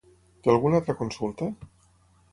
Té alguna altra consulta?